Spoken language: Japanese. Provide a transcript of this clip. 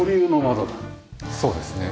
そうですね。